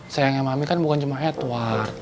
sayangnya mami kan bukan cuma edward